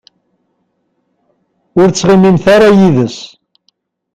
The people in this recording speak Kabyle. Ur ttɣimimt ara yid-s.